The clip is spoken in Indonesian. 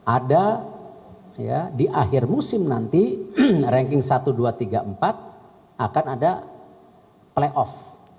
ada di akhir musim nanti ranking satu dua tiga empat akan ada playoff